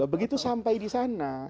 begitu sampai disana